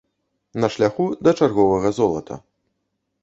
На шляху да чарговага золата.